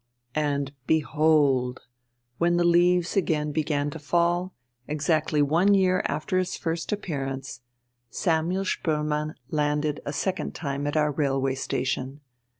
And behold! when the leaves again began to fall, exactly one year after his first appearance, Samuel Spoelmann landed a second time at our railway station.